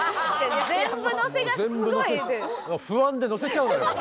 不安で乗せちゃうのよ！